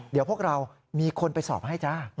เดี๋ยวพวกเรามีคนไปสอบให้จ้า